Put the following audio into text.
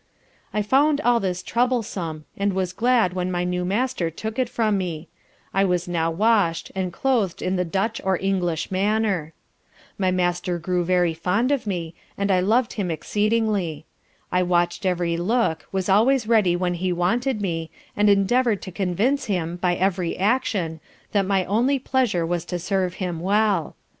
I found all this troublesome, and was glad when my new Master took it from me I was now washed, and clothed in the Dutch or English manner. My master grew very fond of me, and I loved him exceedingly. I watched every look, was always ready when he wanted me, and endeavoured to convince him, by every action, that my only pleasure was to serve him well.